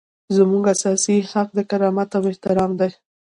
زموږ اساسي حق د کرامت او احترام دی.